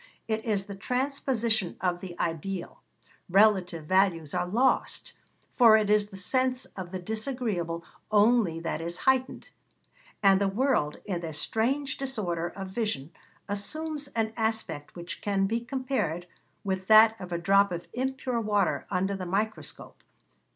It is the transposition of the ideal. Relative values are lost, for it is the sense of the disagreeable only that is heightened; and the world, in this strange disorder of vision, assumes an aspect which can only be compared with that of a drop of impure water under the microscope.